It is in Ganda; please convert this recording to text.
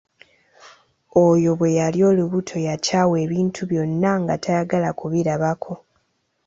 Oyo bwe yali olubuto yakyawa ebintu byonna nga tayagala kubirabako.